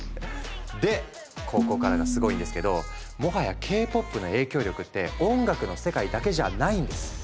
でここからがすごいんですけどもはやＫ−ＰＯＰの影響力って音楽の世界だけじゃないんです。